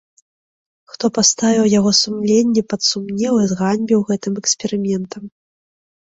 Хто паставіў яго сумленне пад сумнеў і зганьбіў гэтым эксперыментам.